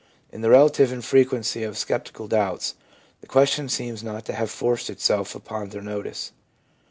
In the relative infrequency of sceptical doubts, the question seems not to have forced itself upon their notice.